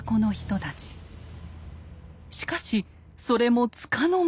しかしそれもつかの間。